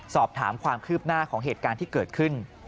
สอบถามความคืบหน้าของเหตุการณ์ที่เกิดขึ้น